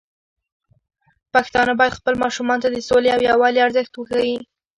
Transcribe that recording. پښتانه بايد خپل ماشومان ته د سولې او يووالي ارزښت وښيي.